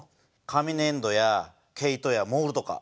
紙ねんどや毛糸やモールとか。